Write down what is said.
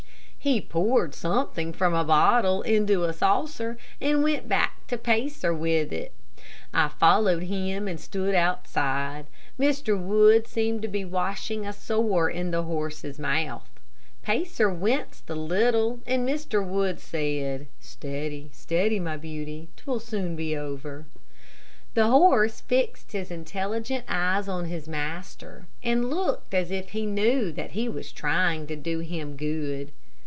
He poured something from a bottle into a saucer and went back to Pacer with it. I followed him and stood outside. Mr. Wood seemed to be washing a sore in the horse's mouth. Pacer winced a little, and Mr. Wood said: "Steady, steady, my beauty; 'twill soon be over." The horse fixed his intelligent eyes on his master and looked as if he knew that he was trying to do him good.